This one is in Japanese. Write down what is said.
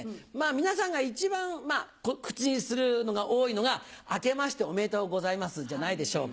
皆さんが一番口にするのが多いのがあけましておめでとうございますじゃないでしょうか。